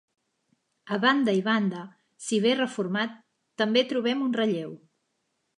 A banda i banda, si bé reformat, també trobem un relleu.